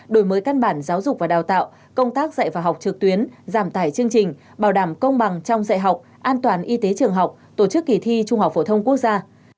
đổi mới căn bản giáo dục và đào tạo công tác dạy và học trực tuyến giảm tải chương trình bảo đảm công bằng trong dạy học an toàn y tế trường học tổ chức kỳ thi trung học phổ thông quốc gia